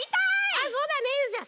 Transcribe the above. あっそうだねじゃあ